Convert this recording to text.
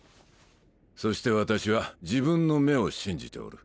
そして私は自分の目を信じておる。